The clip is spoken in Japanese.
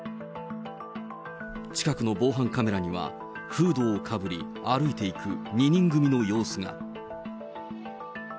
近くの防犯カメラには、フードをかぶり、歩いていく２人組の様子が。